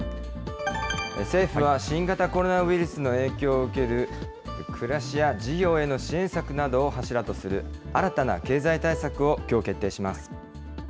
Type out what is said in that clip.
政府は、新型コロナウイルスの影響を受ける暮らしや事業への支援策などを柱とする、新たな経済対策をきょう決定します。